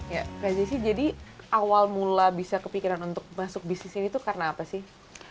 jadi kak jessy awal mula bisa kepikiran untuk masuk bisnis ini itu karena apa sih